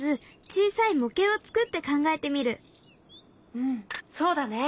うんそうだね。